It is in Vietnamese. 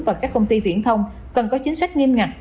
và các công ty viễn thông cần có chính sách nghiêm ngặt